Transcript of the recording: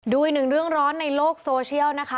อีกหนึ่งเรื่องร้อนในโลกโซเชียลนะคะ